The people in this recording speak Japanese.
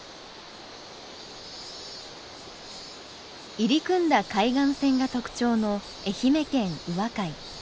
入り組んだ海岸線が特徴の愛媛県宇和海。